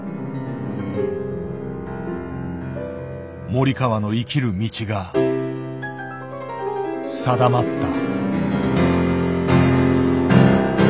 森川の生きる道が定まった。